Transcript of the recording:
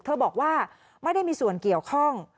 บอกว่าไม่ได้มีส่วนเกี่ยวข้อง